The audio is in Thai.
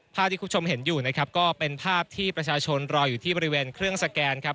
ภาพที่คุณผู้ชมเห็นอยู่นะครับก็เป็นภาพที่ประชาชนรออยู่ที่บริเวณเครื่องสแกนครับ